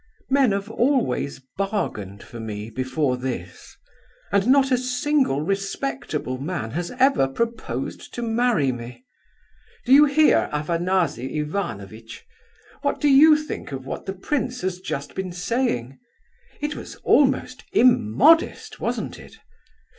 "Men have always bargained for me, before this; and not a single respectable man has ever proposed to marry me. Do you hear, Afanasy Ivanovitch? What do you think of what the prince has just been saying? It was almost immodest, wasn't it?